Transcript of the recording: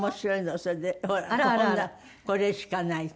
それでほら今度は「これしかない」って。